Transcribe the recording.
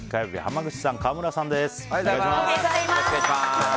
火曜日は濱口さん、川村さんです。